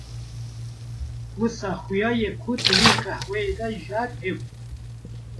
Wisa xwiya ye ku di wî qehweyî de jahr hebû.